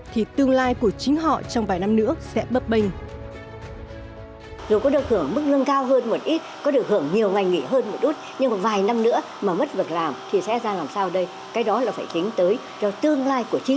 thì tương lai của chính họ trong vài năm nữa sẽ bấp bênh